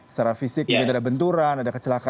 secara fisik mungkin ada benturan ada kecelakaan